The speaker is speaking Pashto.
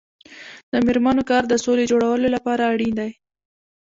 د میرمنو کار د سولې جوړولو لپاره اړین دی.